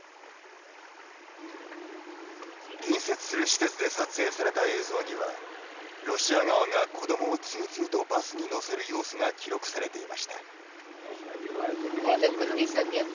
隣接する施設で撮影された映像には、ロシア側が子どもを次々とバスに乗せる様子が記録されていました。